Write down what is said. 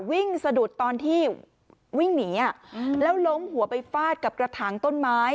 สะดุดตอนที่วิ่งหนีแล้วล้มหัวไปฟาดกับกระถางต้นไม้